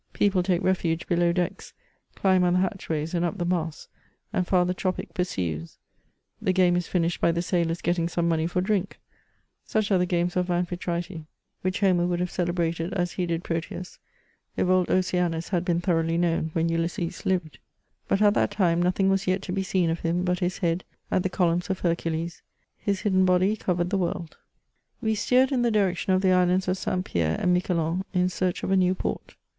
People take refuge below decks, climb on the hatch ways, and up the masts, and father Tropic pursues ; the game is finished by the sailors getting some money for drink — such are the games of Amphitrite, which Homer would have celebrated as he did Proteus, if old Oceanus had been thoroughly known when Ulysses lived ; but at that time nothing was yet to be seen of him but his head at the columns of Hercules, his hidden body covered the world. We steered in the direction of the Islands of St. Pierre and Miquelon, in search of a new port.